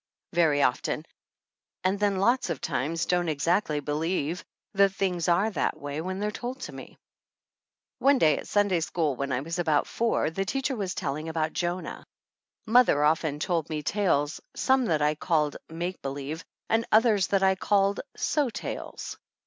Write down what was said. very often and then lots of times don't exactly believe that things are that way when they're told to me. 6 THE ANNALS OF ANN One day at Sunday school, when I was about four, the teacher was telling about Jonah. Mother often told me tales, some that I called "make believe," and others that I called "so tales."